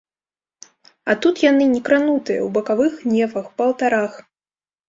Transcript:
А тут яны, некранутыя, у бакавых нефах, па алтарах!